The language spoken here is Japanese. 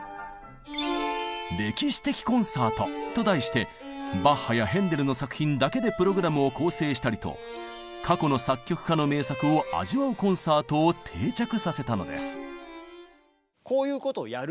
「歴史的コンサート」と題してバッハやヘンデルの作品だけでプログラムを構成したりと過去の作曲家の名作を味わうコンサートを定着させたのです。